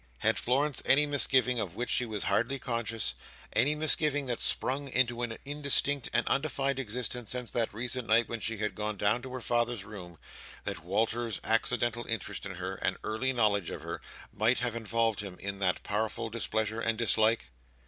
Had Florence any misgiving of which she was hardly conscious: any misgiving that had sprung into an indistinct and undefined existence since that recent night when she had gone down to her father's room: that Walter's accidental interest in her, and early knowledge of her, might have involved him in that powerful displeasure and dislike?